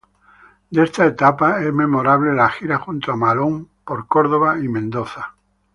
De esta etapa es memorable la gira junto a Malón por Córdoba y Mendoza.